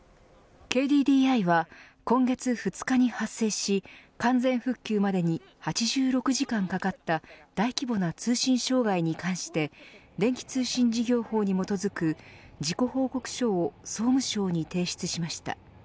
ＫＤＤＩは、今月２日に発生し完全復旧までに８６時間かかった大規模な通信障害に関して電気通信事業法に基づく事故報告書を総務省に提出しました。